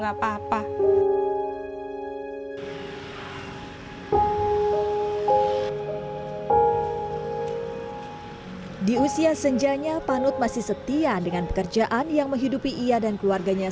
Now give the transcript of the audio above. apa apa di usia senjanya panut masih setia dengan pekerjaan yang menghidupi ia dan keluarganya